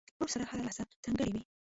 ورور سره هره لحظه ځانګړې وي.